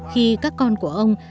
khi các con của ông